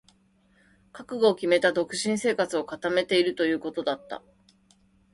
かといってロシア人の家庭ともほとんどつき合いをしているわけでもなく、覚悟をきめた独身生活を固めているということだった。